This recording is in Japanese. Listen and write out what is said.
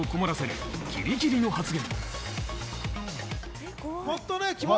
出演者を困らせギリギリの発言。